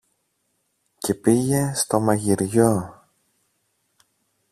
και πήγε στο μαγειριό